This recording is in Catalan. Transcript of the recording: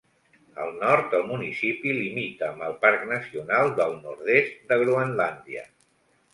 Al nord, el municipi limita amb el Parc Nacional del Nord-est de Groenlàndia.